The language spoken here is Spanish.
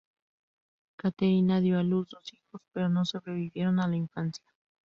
Caterina dio a luz dos hijos, pero no sobrevivieron a la infancia.